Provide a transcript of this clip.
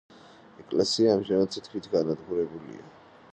ეკლესია ამჟამად თითქმის განადგურებულია.